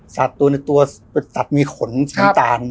ศาสตร์ตู้เนี่ยตัวเป็นสัตว์มีขนชำตาล